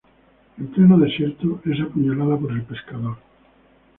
En pleno desierto, es apuñalada por el pescador.